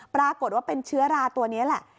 ปรากฏว่าเป็นเชื้อราตัวนี้แหละ